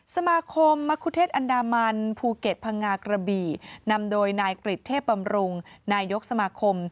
สมาคมมะคุเทศอันดามันภูเก็ตพังงากระบี่นำโดยนายกริจเทพบำรุงนายกสมาคม